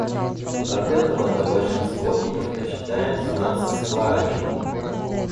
От этого-то большинство и предпочитает знаться с Кларами.